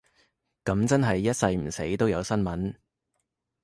噉真係一世唔死都有新聞